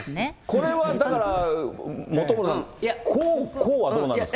これはだから、本村さん、こう、こうはどうなんですか？